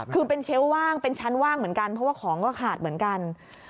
คือเป็นเชลล์ว่างเป็นชั้นว่างเหมือนกันเพราะว่าของก็ขาดเหมือนกัน